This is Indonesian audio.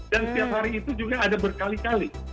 dan setiap hari itu juga ada berkali kali